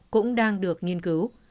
cũng đang được nghiên cứu